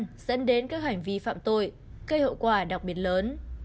dẫn đến các hành vi phạm tội gây hậu quả đặc biệt lớn